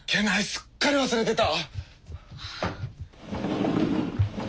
すっかり忘れてた！